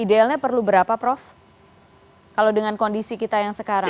idealnya perlu berapa prof kalau dengan kondisi kita yang sekarang